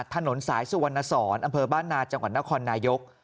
ถนนสายสุวรรณสอนอำเภอบ้านนาจังหวัดนครนายก